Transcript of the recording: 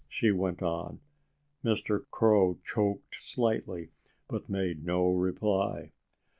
she went on. Mr. Crow choked slightly but made no reply.